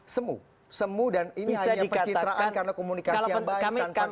semuh semuh dan ini hanya pencitraan karena komunikasi yang baik tanpa kerjaan